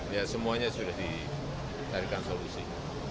ya semuanya sudah dicarikan solusi